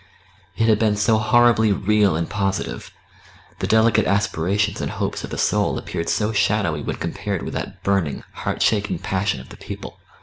It had been so horribly real and positive; the delicate aspirations and hopes of the soul appeared so shadowy when compared with that burning, heart shaking passion of the people.